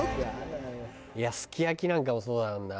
いやすき焼きなんかもそうなんだよな。